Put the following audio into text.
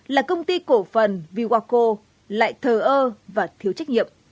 là công ty cổ phần viwako lại thờ ơ và thiếu trách nhiệm